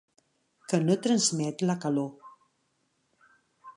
Que no transmet la calor.